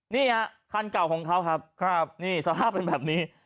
นี่ฮะคันเก่าของเขาครับนี่สภาพเป็นแบบนี้